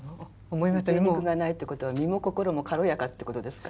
ぜい肉がないってことは身も心も軽やかってことですか？